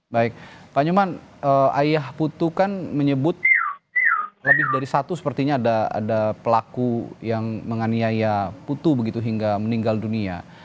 baik pak nyoman ayah putu kan menyebut lebih dari satu sepertinya ada pelaku yang menganiaya putu begitu hingga meninggal dunia